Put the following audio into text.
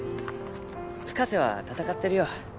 深瀬は戦ってるよ